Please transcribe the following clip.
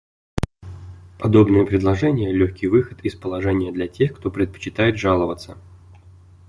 Подобное предложение — легкий выход из положения для тех, кто предпочитает жаловаться.